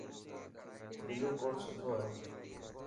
بلو ڪوٽ سٺو هي.